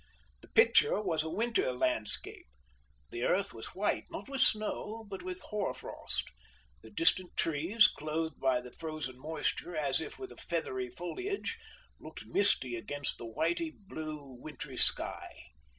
The picture was a winter landscape. The earth was white, not with snow, but with hoar frost; the distant trees, clothed by the frozen moisture as if with a feathery foliage, looked misty against the whitey blue wintry sky.